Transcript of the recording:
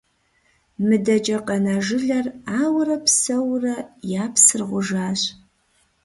МыдэкӀэ къэна жылэр ауэрэ псэууэрэ, я псыр гъужащ.